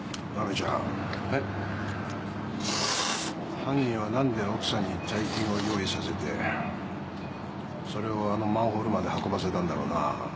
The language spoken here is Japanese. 犯人はなんで奥さんに大金を用意させてそれをあのマンホールまで運ばせたんだろうな？